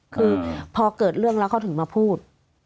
คือพอเกิดเรื่องแล้วเขาถึงมาพูด